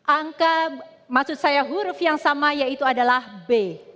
angka maksud saya huruf yang sama yaitu adalah b